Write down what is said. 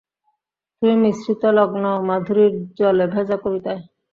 তুমি মিশ্রিত লগ্ন মাধুরীর জলে ভেজা কবিতায়।